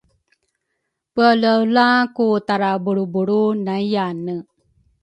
Peaelaela ku tarabulrubulru nayyane